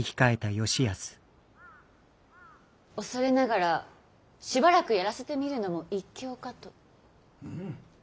恐れながらしばらくやらせてみるのも一興かと。